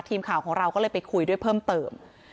ทีมข่าวของเราก็เลยไปคุยด้วยเพิ่มเติม